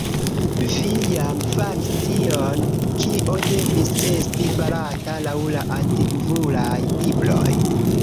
Vi jam faris tion, kio devis esti farata laŭ la Antikvulaj Libroj.